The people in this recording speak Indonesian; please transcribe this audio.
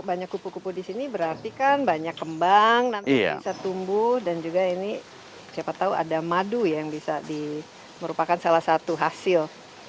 banyak kupu kupu di sini berarti kan banyak kembang nanti bisa tumbuh dan juga ini siapa tahu ada madu yang bisa di merupakan salah satu hasil